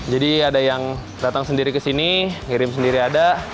jadi ada yang datang sendiri ke sini ngirim sendiri ada